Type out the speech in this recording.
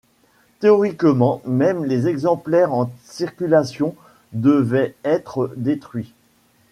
Théoriquement, même les exemplaires en circulation devaient être détruits.